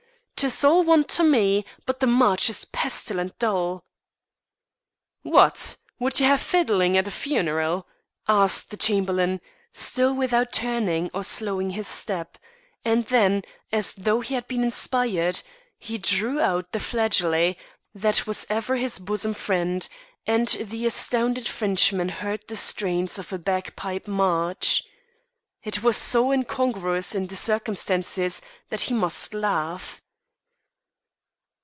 "'Tis all one to me, but the march is pestilent dull." "What! would ye have fiddlin' at a funeral?" asked the Chamberlain, still without turning or slowing his step; and then, as though he had been inspired, he drew out the flageolet that was ever his bosom friend, and the astounded Frenchman heard the strains of a bagpipe march. It was so incongruous in the circumstances that he must laugh.